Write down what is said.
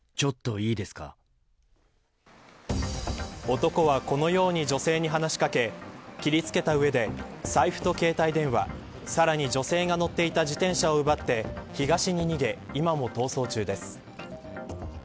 男はこのように女性に話し掛け切りつけた上で財布と携帯電話さらに、女性が乗っていた自転車を奪って東に逃げ、今も逃走中です。